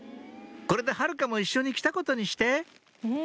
「これで晴香も一緒に来たことにして」